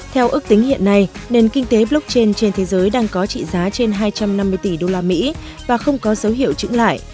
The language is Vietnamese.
theo ước tính hiện nay nền kinh tế blockchain trên thế giới đang có trị giá trên hai trăm năm mươi tỷ usd và không có dấu hiệu chứng lại